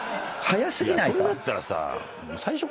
それだったらさ。